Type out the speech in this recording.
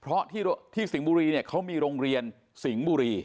เพราะที่สิงห์บุรีเนี่ยเขามีโรงเรียนสิงห์บุรี